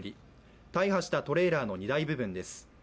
大破したトレーラーの荷台部分です。